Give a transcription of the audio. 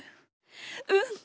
うん。